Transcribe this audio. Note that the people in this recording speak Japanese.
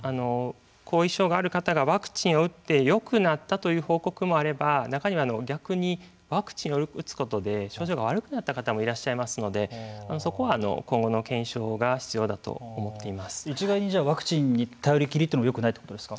後遺症がある方がワクチンを打ってよくなったという報告もあれば中には逆にワクチンを打つことで症状が悪くなった方もいらっしゃいますのでそこは今後の検証が一概にワクチンに頼りきりというのもよくないということですか。